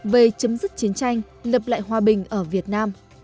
về chấm dứt chiến tranh lập lại hòa bình ở việt nam